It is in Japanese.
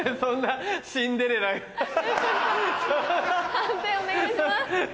判定お願いします。